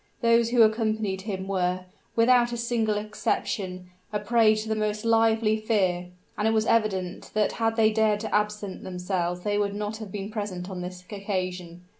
Those who accompanied him were, without a single exception, a prey to the most lively fear; and it was evident that had they dared to absent themselves they would not have been present on this occasion.